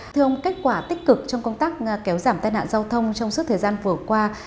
thưa ông kết quả tích cực trong công tác kéo giảm tai nạn giao thông trong suốt thời gian vừa qua